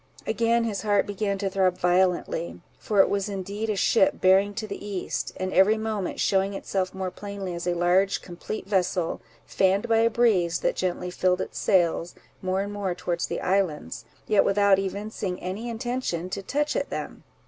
Again his heart began to throb violently, for it was indeed a ship bearing to the east, and every moment shewing itself more plainly as a large complete vessel, fanned by a breeze that gently filled its sails, more and more towards the islands, yet without evincing any intention to touch at them.